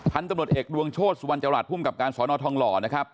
ทันตำรวจเอกดวงโชศวันเจาหลัดภูมิกับการสอนอทองหล่อนะครับ